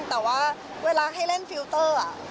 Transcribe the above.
แต่ว่าเวลาให้เล่นฟิลเตอร์